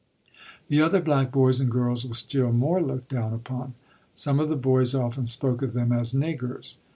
The other black boys and girls were still more looked down upon. Some of the boys often spoke of them as "niggers."